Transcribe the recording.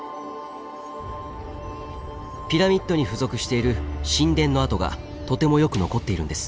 ピラミッドに付属している神殿の跡がとてもよく残っているんです。